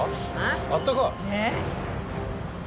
あったかい。